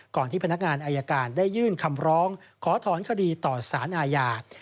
ที่พนักงานอายการได้ยื่นคำร้องขอถอนคดีต่อสารอาญา